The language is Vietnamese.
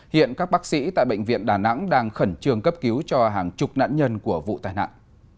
hiện các bác sĩ tại bệnh viện đà nẵng đang khẩn trương cấp cứu cho hàng chục nạn nhân của vụ tai nạn